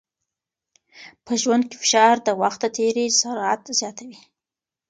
په ژوند کې فشار د وخت د تېري سرعت زیاتوي.